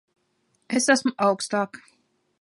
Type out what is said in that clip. Es esmu augstāk.